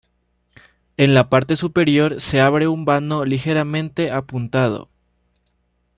En la parte superior se abre un vano ligeramente apuntado.